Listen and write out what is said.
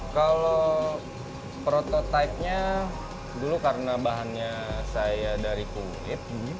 kalau prototipenya dulu karena bahannya saya dari kulit